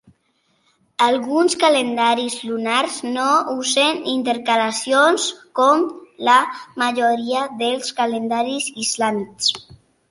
Alguns calendaris lunars no usen intercalacions, com la majoria dels calendaris islàmics.